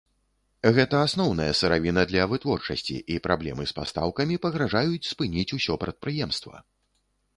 Гэта асноўная сыравіна для вытворчасці і праблемы з пастаўкамі пагражаюць спыніць усё прадпрыемства.